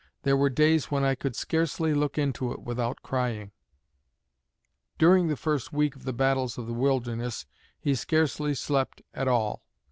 There were days when I could scarcely look into it without crying. During the first week of the battles of the Wilderness he scarcely slept at all.